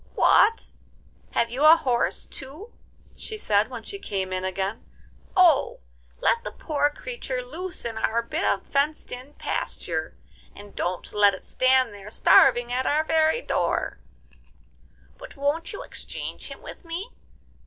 'What! have you a horse too?' she said when she came in again. 'Oh! let the poor creature loose in our bit of fenced in pasture, and don't let it stand there starving at our very door. But won't you exchange him with me?